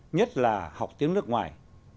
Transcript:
nhất là học tiếng nước ngoài